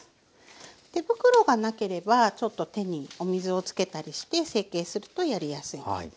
手袋がなければちょっと手にお水をつけたりして成形するとやりやすいです。